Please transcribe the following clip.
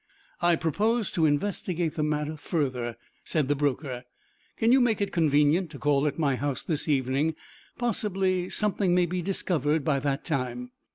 "I propose to investigate the matter further," said the broker. "Can you make it convenient to call at my house this evening? Possibly something may be discovered by that time."